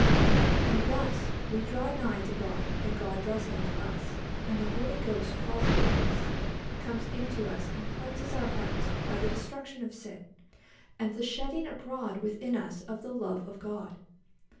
And thus we draw nigh to God, and God draws nigh to us, and the Holy Ghost falls upon us, comes into us, and cleanses our hearts by the destruction of sin, and the shedding abroad within us of the love of God.